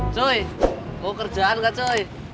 coy mau kerjaan gak coy